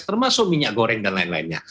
termasuk minyak goreng dan lain lainnya